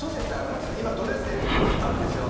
今ドレスデンにあるでしょ。